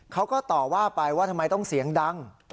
เขาก็ต่อว่าไปว่าทำไมต้องเสียงดัง